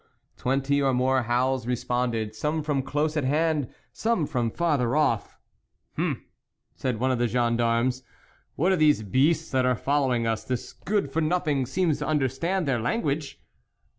Twenty or more howls responded, some from close at hand, some from farther off. " H'm !" said one of the gendarmes, " what are these beasts that are following us ? this good for nothing seems to under stand their language